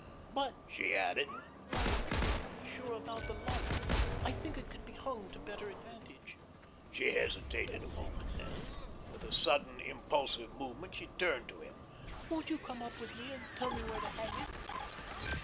But," she added, "I am not sure about the light. I think it could be hung to better advantage." She hesitated a moment, then, with a sudden, impulsive movement, she turned to him. "Won't you come up with me, and tell me where to hang it?"